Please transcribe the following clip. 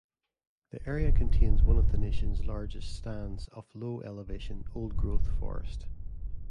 The area contains one of the nation's largest stands of low-elevation old-growth forest.